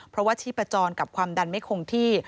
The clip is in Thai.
เพราะว่าชีพจรกับความดันไม่คงที่